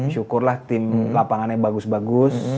syukurlah tim lapangannya bagus bagus